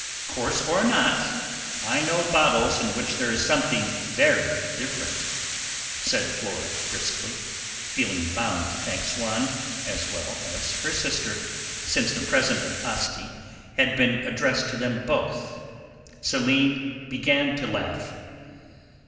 '" "Coarse or not, I know bottles in which there is something very different!" said Flora briskly, feeling bound to thank Swann as well as her sister, since the present of Asti had been addressed to them both. Céline began to laugh.